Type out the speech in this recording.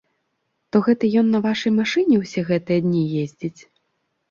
То гэта ён на вашай машыне ўсе гэтыя дні ездзіць?